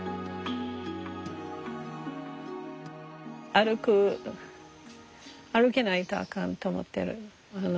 歩く歩けないとあかんと思ってる。